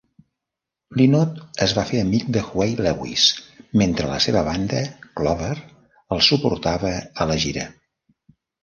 Lynott es va fer amic de Huey Lewis mentre la seva banda, Clover, els suportava a la gira.